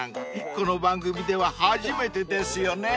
この番組では初めてですよね］